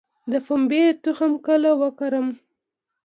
د پنبې تخم کله وکرم؟